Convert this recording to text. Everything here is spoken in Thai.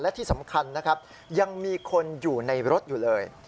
และที่สำคัญนะครับยังมีคนอยู่ในรถอยู่เลย